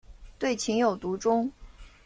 对情有独钟。